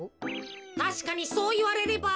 たしかにそういわれれば。